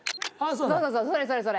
そうそうそれそれそれ。